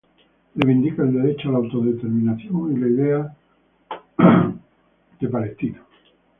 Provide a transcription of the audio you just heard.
Reivindica el derecho a la autodeterminación y la idea de los Países Catalanes.